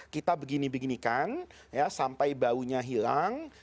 kita begini beginikan sampai baunya hilang